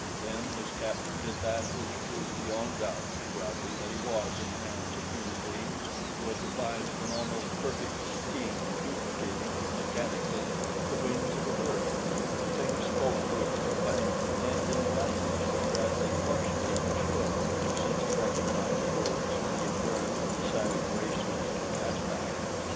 Then his captor did that which proved beyond doubt to Bradley that he was in the hands of human beings who had devised an almost perfect scheme of duplicating, mechanically, the wings of a bird the thing spoke to its companion and in a language that Bradley partially understood, since he recognized words that he had learned from the savage races of Caspak.